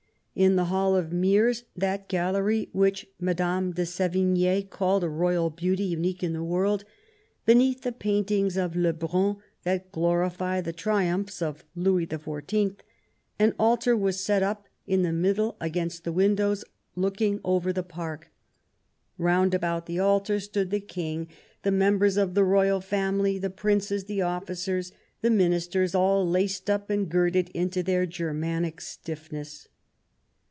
In the Hall of Mirrors, that gallery which Mme de Sevigne called a royal beauty unique in the world, beneath the paintings of Le Brun that glorify the triumphs of Louis XIV, an altar was set up in the middle against the win dows looking over the park. Round about the altar stood the King, the members of the Royal Family, the Princes, the Officers, the Ministers, all laced up and girded into their Germanic stiff ness.